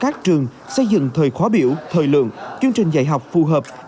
các trường xây dựng thời khóa biểu thời lượng chương trình dạy học phù hợp